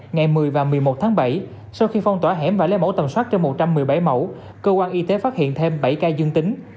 ngày một mươi và một mươi một tháng bảy sau khi phong tỏa hẻm và lấy mẫu tầm soát cho một trăm một mươi bảy mẫu cơ quan y tế phát hiện thêm bảy ca dương tính